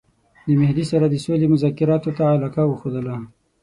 د مهدي سره د سولي مذاکراتو ته علاقه وښودله.